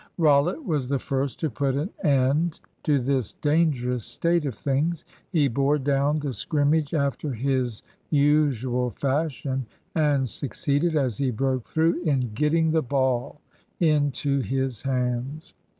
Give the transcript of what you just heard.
Rollitt was the first to put an end to this dangerous state of things. He bore down the scrimmage after his usual fashion, and succeeded, as he broke through, in getting the ball into his hands.